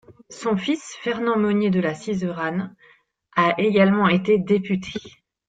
Son fils, Fernand Monier de La Sizeranne a également été député.